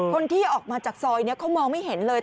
คนที่ออกมาจากซอยเขามองไม่เห็นเลย